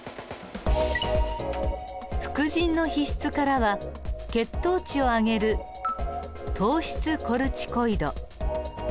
副腎の皮質からは血糖値を上げる糖質コルチコイド。